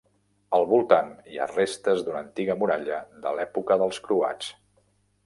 Al voltant hi ha restes d'una antiga muralla de l'època dels croats.